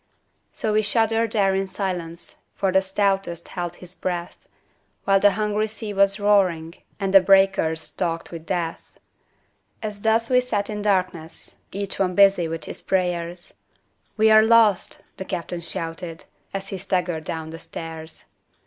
So we shuddered there in silence, For the stoutest held his breath, While the hungry sea was roaring And the breakers talked with death. As thus we sat in darkness Each one busy with his prayers, "We are lost!" the captain shouted, As he staggered down the stairs.